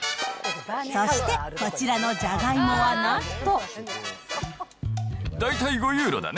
そしてこちらのじゃがいもはなんと。